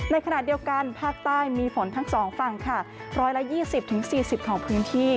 ในขณะเดียวกันภาคใต้มีฝนทั้งสองฝั่งค่ะร้อยละยี่สิบถึงสี่สิบของพื้นที่